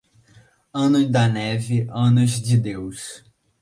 Ano da neve, anos de Deus.